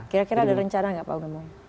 kira kira ada rencana nggak pak gemung